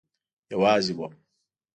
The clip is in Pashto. یوازی وم